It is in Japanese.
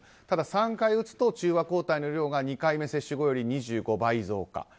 ただ、３回打つと中和抗体の量が２回接種後より２５倍増加。